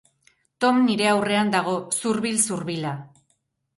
Tom nire aurrean dago, zurbil-zurbila.